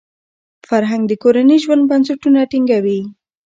فرهنګ د کورني ژوند بنسټونه ټینګوي.